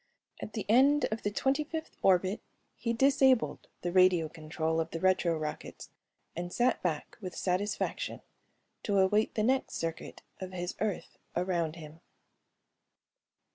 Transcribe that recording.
At the end of the twenty fifth orbit he disabled the radio control of the retro rockets and sat back with satisfaction to await the next circuit of his Earth around Him.